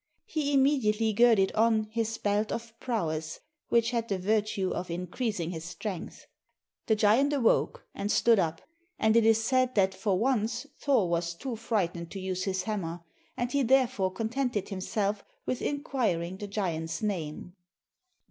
He immediately girded on his belt of prowess which had the virtue of increasing his strength. The giant awoke and stood up, and it is said that for once Thor was too frightened to use his hammer, and he therefore contented himself with inquiring the giant's name.